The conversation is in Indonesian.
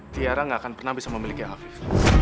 tiara gak akan pernah bisa memiliki afif